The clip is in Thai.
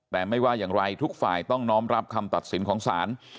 แต่ไม่ว่าอย่างไรทุกฝ่ายต้องน้อมรับคำตัดสินของศาล